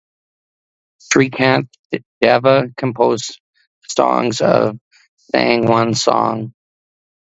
Srikanth Deva composed the songs and sang one song.